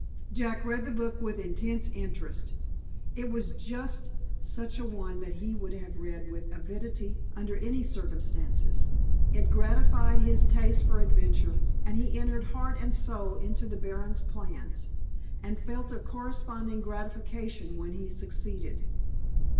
Jack read the book with intense interest. It was just such a one as he would have read with avidity under any circumstances. It gratified his taste for adventure, and he entered heart and soul into the Baron's plans, and felt a corresponding gratification when he succeeded.